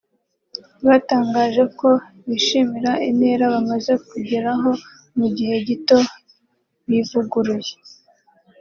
batangaje ko bishimira intera bamaze kugeraho mu gihe gito bivuguruye